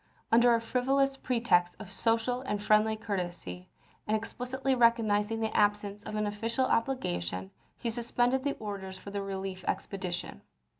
Under a frivolous pretext of social and friendly courtesy, and explicitly recognizing the absence of any official obligation, he suspended the orders for the relief expedition.